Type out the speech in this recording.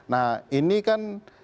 nah ini kan